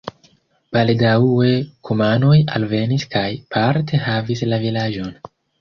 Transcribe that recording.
Baldaŭe kumanoj alvenis kaj parte havis la vilaĝon.